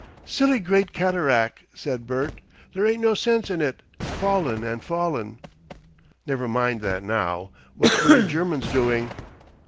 "Silly great catarac'," said Bert. "There ain't no sense in it, fallin' and fallin'." Never mind that, now! What were the Germans doing?